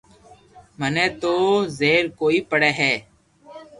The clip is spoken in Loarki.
مني تو زبر ڪوئي پڙي ھي